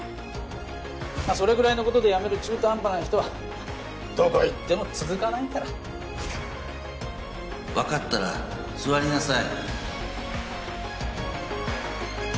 それぐらいのことで辞める中途半端な人はどこ行っても続かないから分かったら座りなさい。